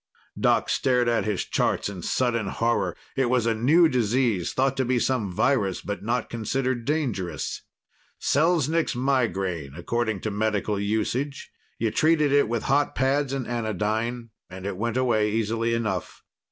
Doc stared at his charts in sudden horror. It was a new disease thought to be some virus, but not considered dangerous. Selznik's migraine, according to medical usage; you treated it with hot pads and anodyne, and it went away easily enough.